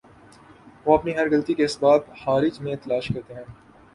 وہ اپنی ہر غلطی کے اسباب خارج میں تلاش کرتے ہیں۔